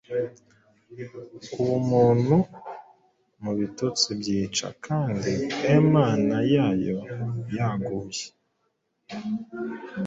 Ubumuntu mubitotsi byica Kandi Emana yayo yaguye,